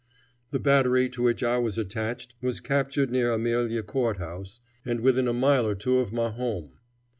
The battery to which I was attached was captured near Amelia Court House, and within a mile or two of my home.